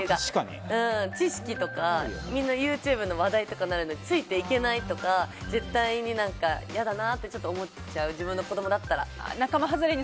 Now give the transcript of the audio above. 知識とかみんなＹｏｕＴｕｂｅの話題になるのについていけないので嫌だなって思っちゃう自分の子供だったら。